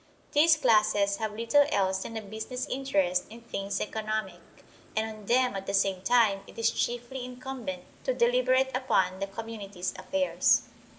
These classes have little else than a business interest in things economic, and on them at the same time it is chiefly incumbent to deliberate upon the community's affairs.